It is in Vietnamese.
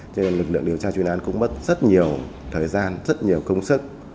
cho nên lực lượng điều tra chuyên án cũng mất rất nhiều thời gian rất nhiều công sức